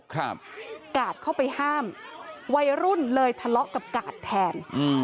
ครับกาดเข้าไปห้ามวัยรุ่นเลยทะเลาะกับกาดแทนอืม